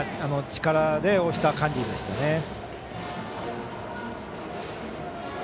力で押した感じでしたね。